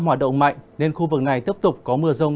hoạt động mạnh nên khu vực này tiếp tục có mưa rông